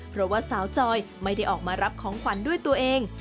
เพราะว่าสาวจอยไม่ได้ออกมารับของขวัญด้วยตัวเอง